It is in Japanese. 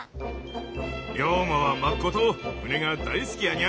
龍馬はまっこと船が大好きやにゃ。